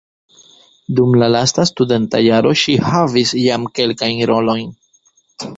Dum la lasta studenta jaro ŝi havis jam kelkajn rolojn.